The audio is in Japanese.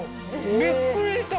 びっくりした。